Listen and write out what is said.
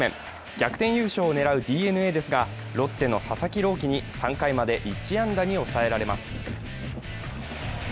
逆転優勝を狙うＤｅＮＡですが、ロッテの佐々木朗希に３回まで１安打に抑えられます。